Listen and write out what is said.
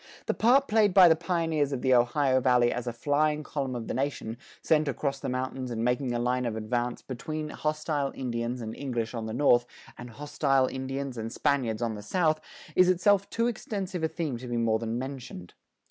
The part played by the pioneers of the Ohio Valley as a flying column of the nation, sent across the mountains and making a line of advance between hostile Indians and English on the north, and hostile Indians and Spaniards on the south, is itself too extensive a theme to be more than mentioned.